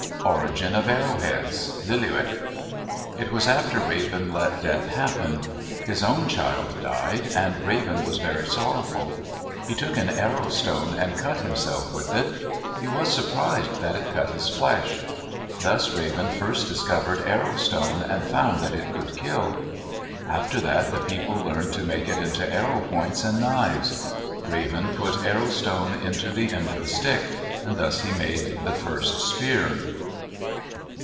ORIGIN OF ARROWHEADS Lillooet It was after Raven let death happen. His own child died, and Raven was very sorrowful. He took an arrow stone and cut himself with it. He was surprised that it cut his flesh. Thus Raven first discovered arrow stone and found that it could kill. After that the people learned to make it into arrow points and knives. Raven put arrow stone into the end of a stick; thus he made the first spear.